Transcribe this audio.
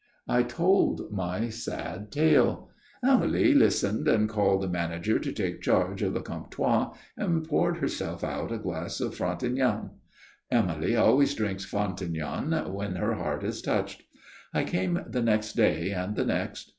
"I told my sad tale. Amélie listened and called the manager to take charge of the comptoir, and poured herself out a glass of Frontignan. Amélie always drinks Frontignan when her heart is touched. I came the next day and the next.